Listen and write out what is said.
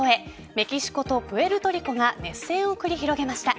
メキシコとプエルトリコが熱戦を繰り広げました。